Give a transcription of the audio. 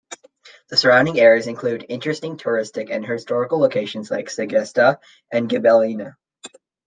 The surrounding areas include interesting touristic and historical locations like Segesta and Gibellina.